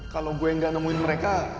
kalau gue yang gak nemuin mereka